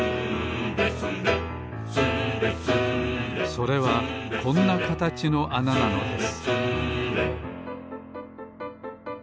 それはこんなかたちのあななのです